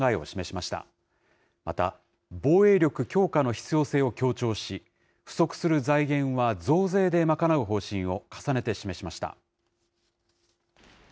また、防衛力強化の必要性を強調し、不足する財源は増税で賄う方針を重ねて示しました。